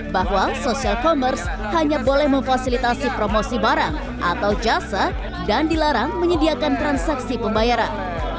bahwa social commerce hanya boleh memfasilitasi promosi barang atau jasa dan dilarang menyediakan transaksi pembayaran